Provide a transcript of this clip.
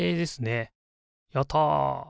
やった！